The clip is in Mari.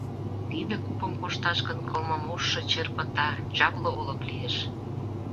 Тиде купым кошташ гын, кылмымужо чер пыта, чапле олык лиеш.